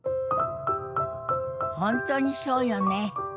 本当にそうよね。